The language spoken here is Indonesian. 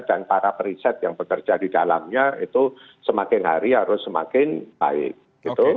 dan para periset yang bekerja di dalamnya itu semakin hari harus semakin baik gitu